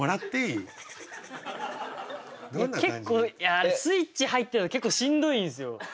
いや結構あれスイッチ入ってるの結構しんどいんすよ。